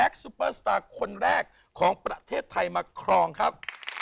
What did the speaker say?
ซุปเปอร์สตาร์คนแรกของประเทศไทยมาครองครับ